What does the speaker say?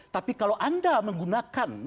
tapi kalau anda menggunakan